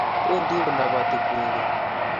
bendi koloboti kwekeny.